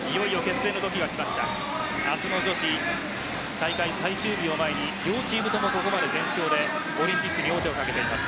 大会最終日を前に両チームとここまで全勝でオリンピックに王手をかけています。